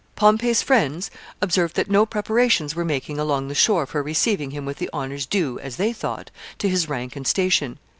Pompey's friends observed that no preparations were making along the shore for receiving him with the honors due, as they thought, to his rank and station.